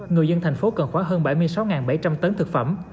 người dân thành phố cần khoảng hơn bảy mươi sáu bảy trăm linh tấn thực phẩm